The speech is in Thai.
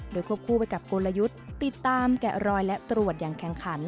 โดยควบคู่ไปกับกลยุทธ์ติดตามแกะรอยและตรวจอย่างแข่งขัน